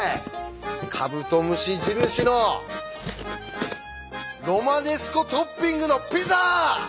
カブトムシ印のロマネスコトッピングのピザ！